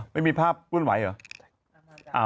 ไม่มีภาพขึ้นไหวเหรอ